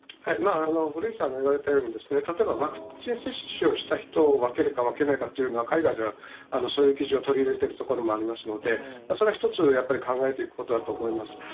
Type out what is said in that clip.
古市さんが言われたように、例えばワクチン接種をした人を分けるか分けないかというのは、海外ではそういう基準を取り入れてる所もありますので、それは一つ、やっぱり考えていくことだと思います。